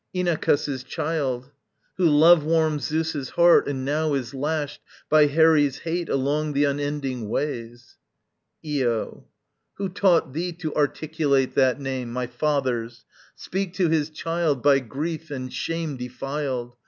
Inachus's child? Who love warms Zeus's heart, and now is lashed By Herè's hate along the unending ways? Io. Who taught thee to articulate that name, My father's? Speak to his child By grief and shame defiled!